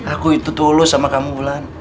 aku itu tulus sama kamu ulan